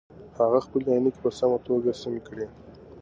هغه خپلې عینکې په سمه توګه سمې کړې.